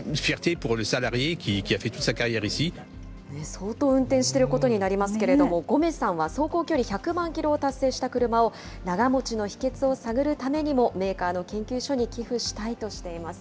相当運転していることになりますけれども、ゴメさんは、走行距離１００万キロを達成した車を、長もちの秘けつを探るためにも、メーカーの研究所に寄付したいとしています。